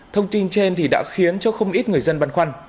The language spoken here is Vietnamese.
thông tin trên đã khiến cho không ít người dân băn khoăn